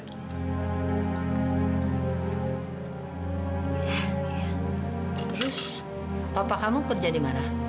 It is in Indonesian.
terus papa kamu kerja dimana